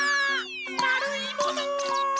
まるいもの！